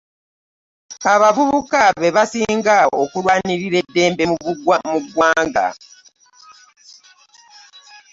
Abavubuka bebasinga okulwanira eddembe mu ggwanga.